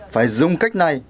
phải dùng cách này